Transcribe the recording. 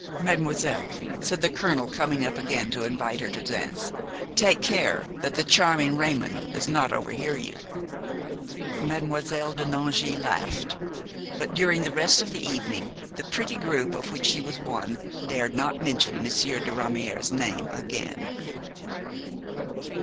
"Mademoiselle," said the colonel, coming up again to invite her to dance; "take care that the charming Raymon does not overhear you." Mademoiselle de Nangy laughed; but during the rest of the evening the pretty group of which she was one dared not mention Monsieur de Ramière's name again.